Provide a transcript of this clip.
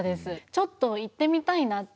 ちょっと行ってみたいなって。